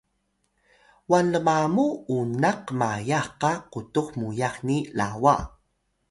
wan lmamu unak qmayah qa qutux muyax ni Lawa